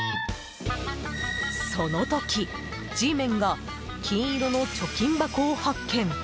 その時、Ｇメンが金色の貯金箱を発見。